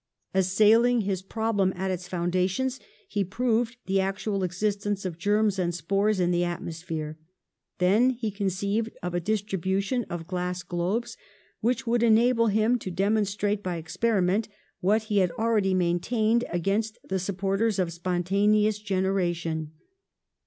Assailing his problem at its foundation, he proved the actual existence of germs and spores in the atmosphere ; then he conceived of a dis tribution of glass globes which would enable him to demonstrate by experiment what he had already maintained against the supporters of spontaneous generation.